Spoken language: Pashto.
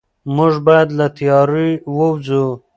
موږ باید له تیارې ووځو.